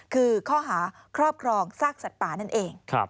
คือข้อหาครอบครองซากสัตว์ป่านั่นเอง